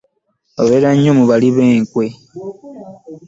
Gwe obeera nnyo mu bali b'enkwe.